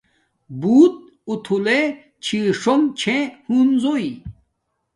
بوت آتھولے چھی ݽونݣ چھے ہنزو